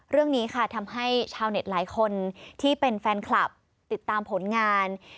เรื่องนี้ค่ะทำให้ชาวเน็ตหลายคนที่เป็นแฟนคลับติดตามผลงาน